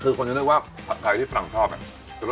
คือคนจะได้ว่าผัดไทรผลังชอบน่ะรสจืด